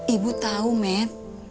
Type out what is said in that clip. ibu tahu met